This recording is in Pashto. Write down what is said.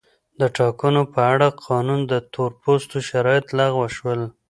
د ټاکنو په اړه قانون د تور پوستو شرایط لغوه شول.